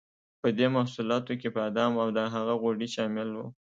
په دې محصولاتو کې بادام او د هغه غوړي شامل وو.